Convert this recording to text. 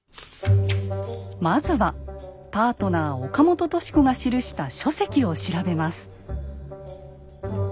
まずはパートナー・岡本敏子が記した書籍を調べます。